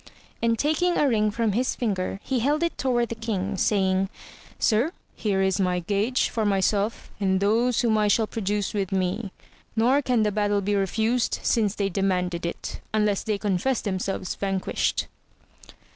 and taking a ring from his finger he held it toward the king, saying Sir, here is my gage for myself and those whom I shall produce with me, nor can the battle be refused since they demanded it, unless they confess themselves vanquished.